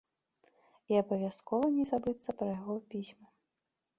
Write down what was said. І абавязкова не забыцца пра яго пісьмы.